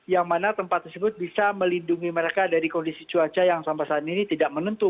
yang mana tempat tersebut bisa melindungi mereka dari kondisi cuaca yang sampai saat ini tidak menentu